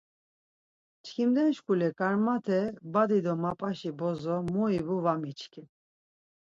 Çkimden şkule Karmat̆e badi do mapaşi bozo mu ivu var miçkin.